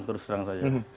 terus terang saja